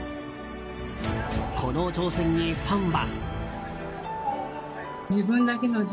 この挑戦にファンは。